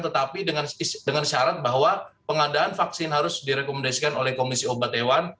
tetapi dengan syarat bahwa pengadaan vaksin harus direkomendasikan oleh komisi obat hewan